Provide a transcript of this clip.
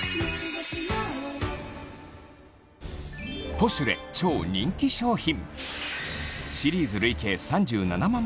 『ポシュレ』超人気商品